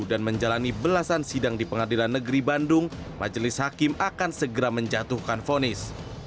dan menjalani belasan sidang di pengadilan negeri bandung majelis hakim akan segera menjatuhkan fonis